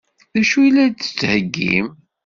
D acu i la d-tettheggim?